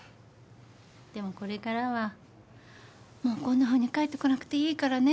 でもこれからはもうこんなふうに帰ってこなくていいからね。